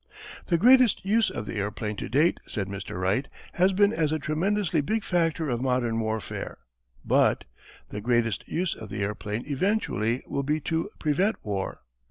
"The greatest use of the airplane to date," said Mr. Wright, "has been as a tremendously big factor of modern warfare. But "The greatest use of the airplane eventually will be to prevent war.